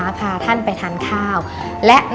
ในฐานะตอนนี้แพทย์รับสองตำแหน่งแล้วนะคะ